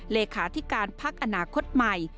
เลขาธิการพักอนาคตใหม่